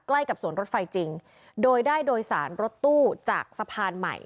ใกล้กับสวนรถไฟจริงโดยได้โดยสารรถตู้จากสะพานใหม่